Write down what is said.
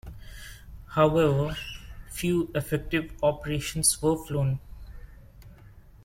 However, few effective operations were flown.